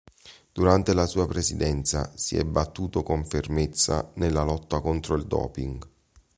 Durante la sua presidenza, si è battuto con fermezza nella lotta contro il doping.